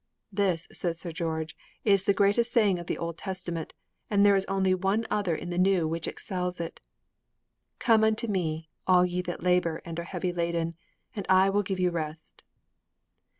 _ This, says Sir George, is the greatest saying of the Old Testament; and there is only one other in the New which excels it: _Come unto Me, all ye that labor and are heavy laden, and I will give you rest.